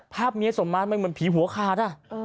ภาพเมียส่งมามันเหมือนผีหัวขาด